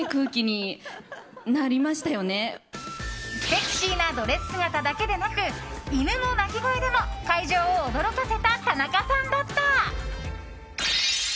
セクシーなドレス姿だけでなく犬の鳴き声でも会場を驚かせた田中さんだった。